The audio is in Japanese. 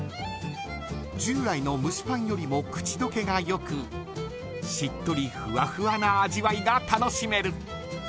従来のむしパンよりも口どけがよくしっとりふわふわな味わいが楽しめる。